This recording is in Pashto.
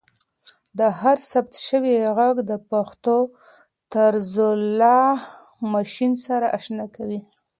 هر ثبت شوی ږغ د پښتو طرز له ماشین سره اشنا کوي.